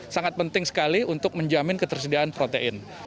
sangat penting sekali untuk menjamin ketersediaan protein